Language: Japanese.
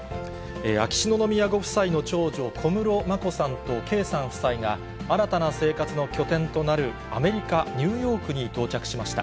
秋篠宮ご夫妻の長女、小室眞子さんと圭さん夫妻が、新たな生活の拠点となるアメリカ・ニューヨークに到着しました。